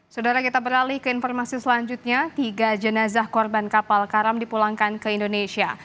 saudara kita beralih ke informasi selanjutnya tiga jenazah korban kapal karam dipulangkan ke indonesia